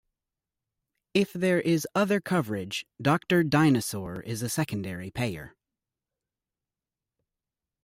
If there is other coverage, Doctor Dynasaur is a secondary payer.